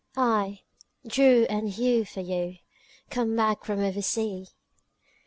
—aye, draw and hew for you, Come back from oversea."